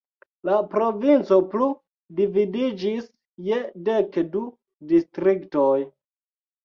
La provinco plu dividiĝis je dek du distriktoj.